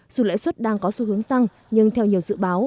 dù lãi suất đang có xu hướng tăng nhưng theo nhiều dự báo